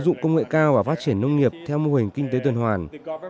điều đó có nghĩa là chúng ta cần phải đạt được mô hình kinh tế tôn hoàn